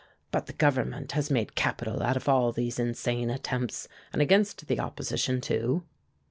But the Government has made capital out of all these insane attempts, and against the opposition, too."